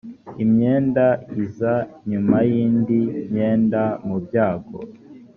imyenda iza nyuma y indi myenda mubyago